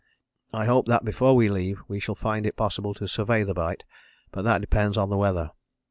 I hope that before we leave we shall find it possible to survey the bight, but that depends on the weather.